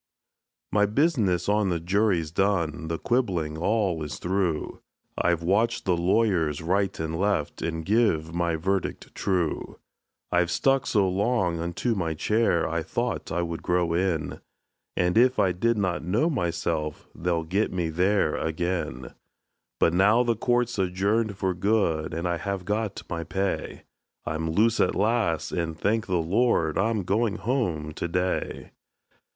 My business on the jury's done the quibblin' all is through I've watched the lawyers right and left, and give my verdict true; I stuck so long unto my chair, I thought I would grow in; And if I do not know myself, they'll get me there ag'in; But now the court's adjourned for good, and I have got my pay; I'm loose at last, and thank the Lord, I'm going home to day.